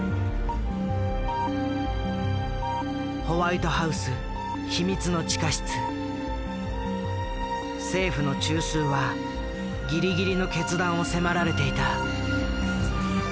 ホワイトハウス政府の中枢はギリギリの決断を迫られていた。